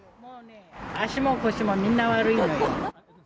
足も腰もみんな悪いのよ。